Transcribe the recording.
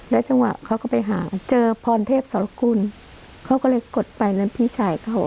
จังหวะเขาก็ไปหาเจอพรเทพสรกุลเขาก็เลยกดไปแล้วพี่ชายเขา